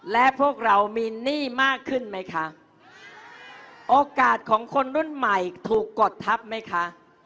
และพวกเรามีหนี้มากขึ้นไหมคะโอกาสของคนรุ่นใหม่ถูกกดทับไหมคะ